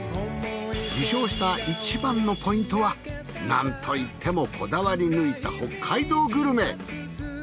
受賞したいちばんのポイントはなんといってもこだわり抜いた北海道グルメ。